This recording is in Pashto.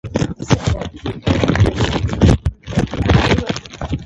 زه غواړم چې د کیمیا او بیولوژي په برخه کې څیړنه وکړم